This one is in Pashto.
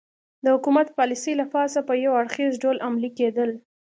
د حکومت پالیسۍ له پاسه په یو اړخیز ډول عملي کېدې